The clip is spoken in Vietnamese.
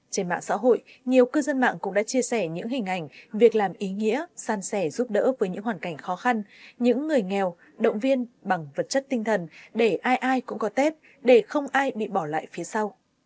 trên mạng xã hội nhiều cư dân mạng cũng đã chia sẻ những hình ảnh việc làm ý nghĩa san sẻ giúp đỡ với những hoàn cảnh khó khăn những người nghèo động viên bằng vật chất tinh thần để ai ai cũng có tết để không ai bị bỏ lại phía sau